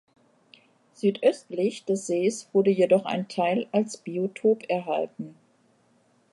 Südöstlich des Sees wurde jedoch ein Teil als Biotop erhalten.